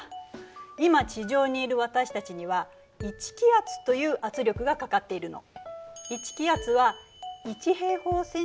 今地上にいる私たちには１気圧という圧力がかかっているの。